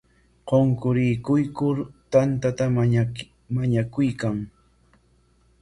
Qunqurikuykur tantata mañakuykan.